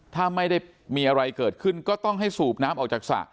ถ้าไม่ได้มีอะไรเกิดขึ้นก็ต้องให้สูบน้ำออกจากสระ